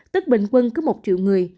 tức bình quân cứ một triệu người